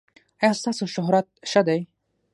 ایا ستاسو شهرت ښه دی؟